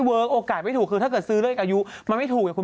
โอกาสไม่ถูกคือถ้าเกิดซื้อเลขอายุมันไม่ถูกไงคุณ